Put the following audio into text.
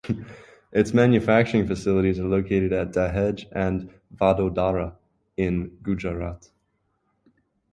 Its manufacturing facilities are located at Dahej and Vadodara in Gujarat.